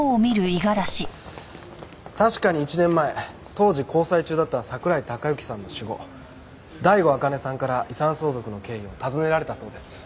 確かに１年前当時交際中だった桜井孝行さんの死後醍醐あかねさんから遺産相続の経緯を尋ねられたそうです。